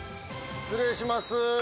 失礼します。